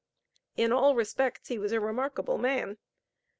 In all respects he was a remarkable man.